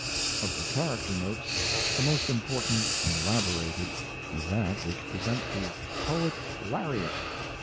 Of the "character" notes, the most important and elaborated is that which presents the "Poet Lariat."